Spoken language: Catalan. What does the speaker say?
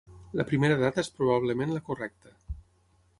La primera data és probablement la correcta.